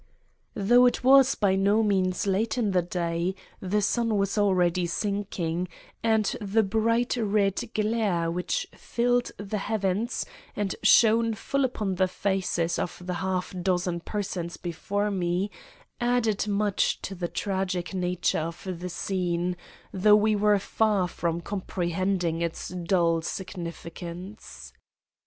Though it was by no means late in the day, the sun was already sinking, and the bright red glare which filled the heavens and shone full upon the faces of the half dozen persons before me added much to the tragic nature of the scene, though we were far from comprehending its full significance.